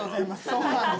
そうなんです。